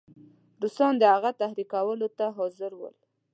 روسان د هغه تحریکولو ته حاضر ول.